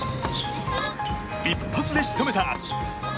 一発で仕留めた！